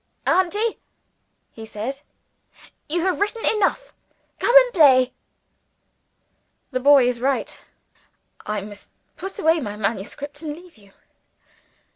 "Aunty," he says, "you have written enough. Come and play." The boy is right. I must put away my manuscript and leave you.